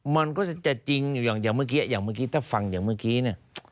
มันก็จะจริงอยู่อย่างเมื่อกี้อย่างเมื่อกี้ถ้าฟังอย่างเมื่อกี้เนี่ย